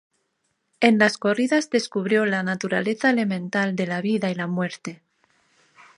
En las corridas descubrió la naturaleza elemental de la vida y la muerte.